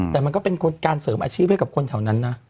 แต่มันก็เป็นการเสริมอาชีพให้กับคนแถวนั้นนะ